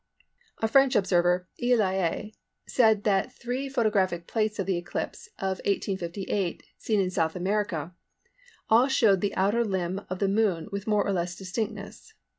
A French observer, E. Liais, said that three photographic plates of the eclipse of 1858 seen in S. America all showed the outer limb of the Moon with more or less distinctness.